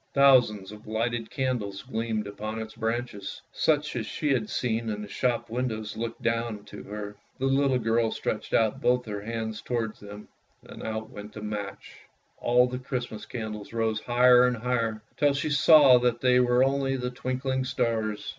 Thousands of lighted candles gleamed upon its branches, and coloured pictures, such as she had seen in the shop windows, looked down to her. The little girl stretched out both her hands towards them — then out went the match. All the Christmas candles rose higher and higher, till she saw that they were only the twinkling stars.